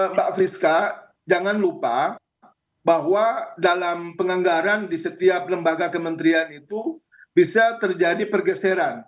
mbak friska jangan lupa bahwa dalam penganggaran di setiap lembaga kementerian itu bisa terjadi pergeseran